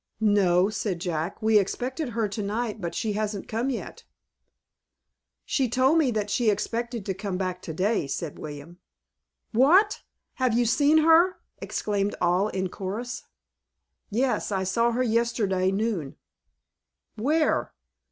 "No," said Jack, "we expected her to night, but she hasn't come yet." "She told me that she expected to come back to day," said William. "What! have you seen her?" exclaimed all in chorus. "Yes, I saw her yesterday noon." "Where?"